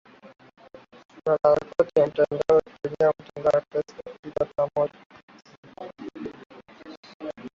wanaharakati wa mitandaoni wakitumia mtandao wa face book na twitter kwa pamoja